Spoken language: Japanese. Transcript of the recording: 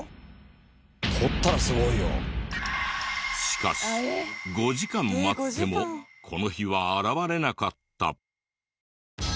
しかし５時間待ってもこの日は現れなかった。